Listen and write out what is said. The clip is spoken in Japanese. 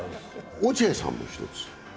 落合さんも一つ？